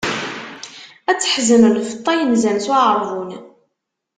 Ad teḥzen lfeṭṭa inzan s uɛeṛbun.